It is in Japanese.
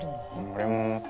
俺も思った。